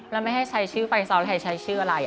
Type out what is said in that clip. เราไม่ให้ใช้ชื่อไฟซ้อนเราให้ใช้ชื่ออะไร